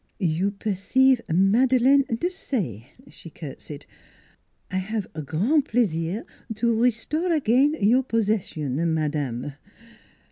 " You perceive Madeleine Desaye," she curt seyed; " I have grand plaisir to restore again your possession, madame."